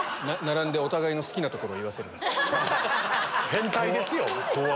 変態ですよ！